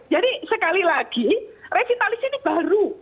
jadi sekali lagi revitalisasi ini baru